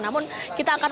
namun kita akan masih